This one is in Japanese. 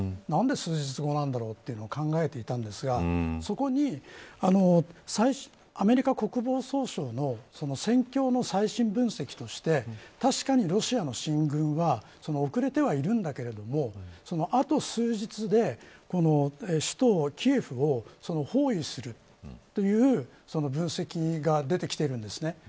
何で数日後なんだろうというのを考えていたんですがそこに、アメリカ国防総省の戦況の最新分析として確かにロシアの進軍は遅れてはいるんだけどあと数日で首都キエフを包囲するという分析が出てきてるんですね。